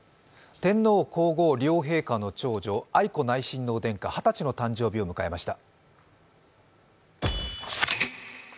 天皇・皇后両陛下の長女愛子内親王殿下二十歳の誕生日を迎えました。